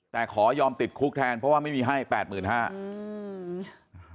แต่ขอยอมติดคุกแทนเพราะว่าไม่มีให้๘๕๐๐๐บาท